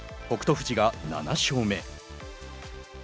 富士が７勝目。